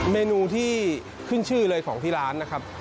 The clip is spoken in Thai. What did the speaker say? เมนูที่ขึ้นชื่อเลยของที่ร้านนะครับ